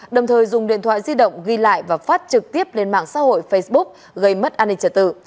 đồng thời dùng điện thoại di động ghi lại và phát trực tiếp lên mạng xã hội facebook gây mất an ninh trật tự